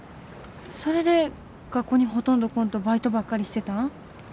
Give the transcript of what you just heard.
それで学校にほとんどこんとバイトばっかりしてたん？